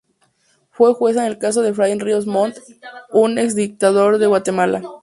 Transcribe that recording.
Fue jueza en el caso de Efraín Ríos Montt, un ex-dictador de Guatemala.